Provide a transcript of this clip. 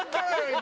今。